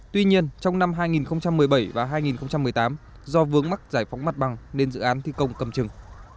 tuy nhiên trong năm hai nghìn một mươi bảy và hai nghìn một mươi tám do vướng mắc giải phóng mặt bằng nên dự án thi công cầm chừng